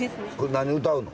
何歌うの？